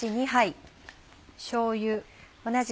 しょうゆ。